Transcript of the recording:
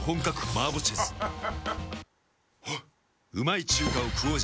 あっ。